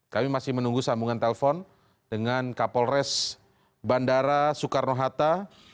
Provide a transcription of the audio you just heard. kami masih menunggu sambungan telepon dengan kapolres bandara soekarno hatta